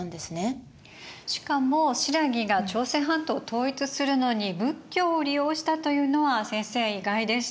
しかも新羅が朝鮮半島を統一するのに仏教を利用したというのは先生意外でした。